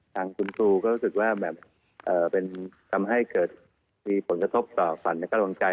ทางคุณครูก็รู้สึกว่าแบบเป็นทำให้เกิดมีผลกระทบต่อฝันและกำลังใจ